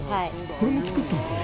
これも作ったんですね。